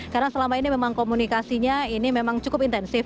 karena selama ini memang komunikasinya ini memang cukup intensif